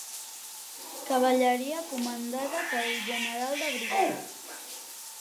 Cavalleria comandada pel General de Brigada.